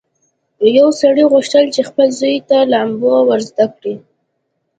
یو سړي غوښتل چې خپل زوی ته لامبو ور زده کړي.